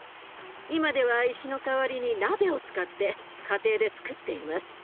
今では石の代わりに鍋を使って家庭でつくっています。